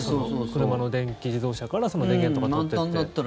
車の電気自動車から電源とか取って。